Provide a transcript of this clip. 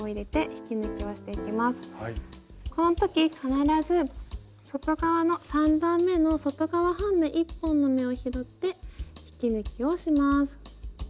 この時必ず外側の３段めの外側半目１本の目を拾って引き抜きをします。